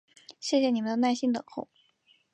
谢谢你们的耐心等候！